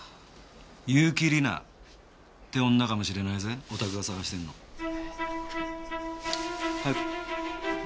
結城里奈って女かもしれないぜおたくが探してるの。早く。